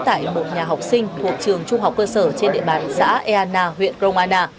tại một nhà học sinh thuộc trường